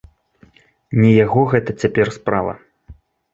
Не яго гэта цяпер справа.